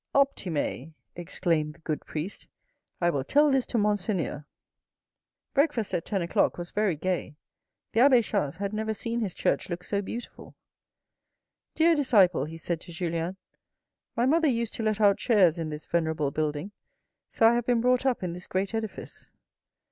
" Optime" exclaimed the good priest, " I will tell this to Monseigneur.' A PROCESSION 19, Breakfast at ten o'clock was very gay. The abbe Chas had never seen his church look so beautiful. " Dear disciple," he said to Julien. " My mother used to let out chairs in this venerable building, so I have been brought up in this great edifice.